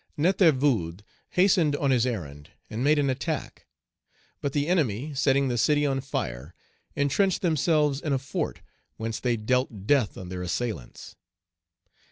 Nétervood hastened on his errand, and made an attack. But the enemy, setting the city on fire, entrenched themselves in a fort, whence they dealt death on their assailants.